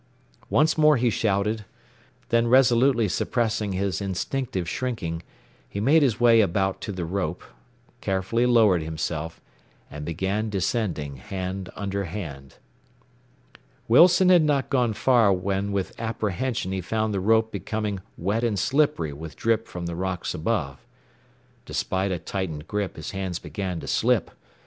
Once more he shouted, then resolutely suppressing his instinctive shrinking, he made his way about to the rope, carefully lowered himself, and began descending hand under hand. Wilson had not gone far when with apprehension he found the rope becoming wet and slippery with drip from the rocks above. Despite a tightened grip his hands began to slip.